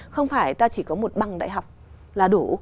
không phải ta chỉ có một bằng đại học là đủ